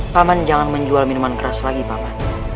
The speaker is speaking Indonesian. paman jangan menjual minuman keras lagi paman